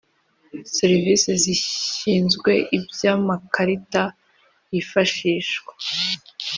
Serivisi zishinzwe iby amakarita yifashishwa